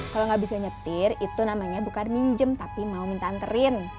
kalau nggak bisa nyetir itu namanya bukan minjem tapi mau minta anterin